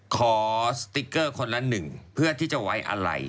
สติ๊กเกอร์คนละหนึ่งเพื่อที่จะไว้อะไร